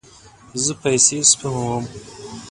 زه پیسې سپموم